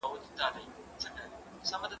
زه بايد اوبه پاک کړم؟